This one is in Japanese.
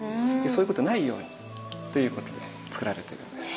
そういうことないようにっていうことでつくられているんです。